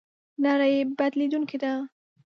نړۍ بدلېدونکې ده